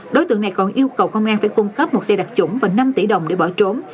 đối tượng này còn yêu cầu công an phải cung cấp một xe đặc trủng và năm tỷ đồng để bỏ trốn